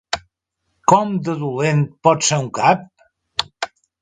Com de dolent pot ser un cap?